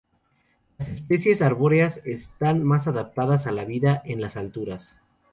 Las especies arbóreas están más adaptadas a la vida en las alturas.